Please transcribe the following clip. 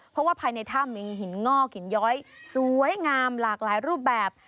เพราะว่าภายในถ้ำมีหินงอกหินย้อยสวยงามหลากหลายรูปแบบ